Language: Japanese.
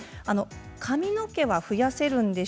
髪の毛は増やせるのか。